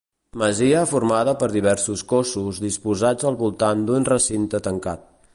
Masia formada per diversos cossos disposats al voltant d'un recinte tancat.